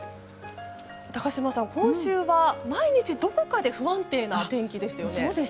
高島さん、今週は毎日どこかで不安定な天気でしたよね。